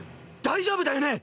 大丈夫だよね